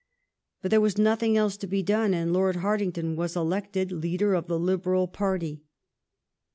But there was nothing else to be done, and Lord Hartington was elected leader of the Liberal party.